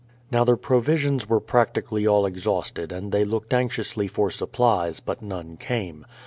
Now their provisions were practically all exhausted and they looked anxiously for supplies, but none came.